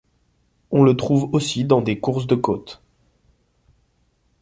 On le trouve aussi dans des courses de côte.